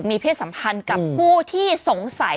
มีเพศสัมพันธ์กับผู้ที่สงสัย